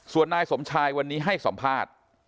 ส่วนนายสมชายวันนี้ให้สัมภาษณ์